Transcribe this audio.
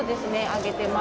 あげてます。